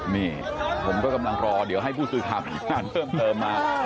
นี่ผมก็กำลังรอเดี๋ยวให้ผู้สื่อข่าวรายงานเพิ่มเติมมา